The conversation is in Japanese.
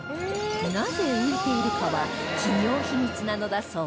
なぜ浮いているかは企業秘密なのだそう